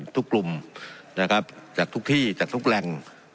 กลุ่มนะครับจากทุกที่จากทุกแหล่ง